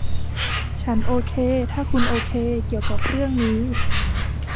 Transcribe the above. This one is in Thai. ฉันโอเคถ้าคุณโอเคเกี่ยวกับเรื่องนี้